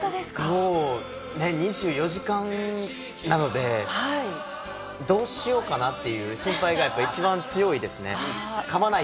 もうね、２４時間なので、どうしようかなっていう心配がやっぱ一番強いですね。